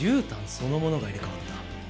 そのものが入れ替わった？